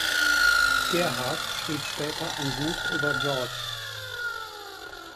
Gerhard schrieb später ein Buch über George.